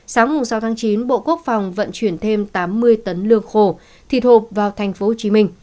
sáng sáu tháng chín bộ quốc phòng vận chuyển thêm tám mươi tấn lương khô thịt hộp vào tp hcm